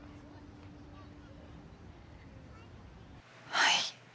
はい。